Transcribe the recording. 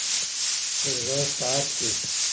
د زړه ساعت كي